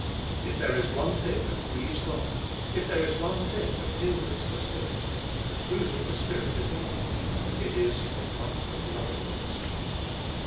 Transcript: If there is one thing that grieves God, if there is one thing that hinders the Spirit — the fruit of the Spirit is love — it is the want of lovingness.